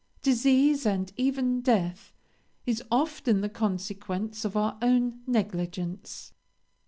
Disease, and even death, is often the consequence of our own negligence.